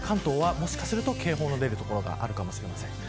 関東はもしかすると警報の出る所があるかもしれません。